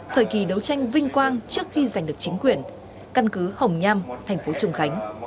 thời kỳ đấu tranh vinh quang trước khi giành được chính quyền căn cứ hồng nham thành phố trùng khánh